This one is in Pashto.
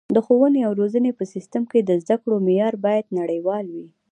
د ښوونې او روزنې په سیستم کې د زده کړو معیار باید نړیوال وي.